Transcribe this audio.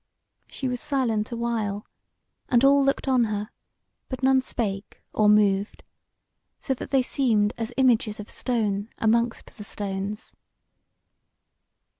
She was silent a while, and all looked on her, but none spake or moved, so that they seemed as images of stone amongst the stones.